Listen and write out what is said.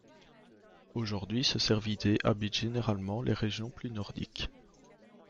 Aujourd'hui, ce cervidé habite généralement les régions plus nordiques.